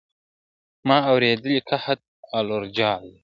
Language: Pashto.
ما اورېدلی قحط الرجال دی !.